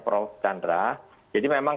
prof chandra jadi memang